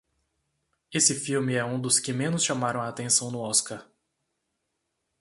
Esse filme é um dos que menos chamaram a atenção no Oscar.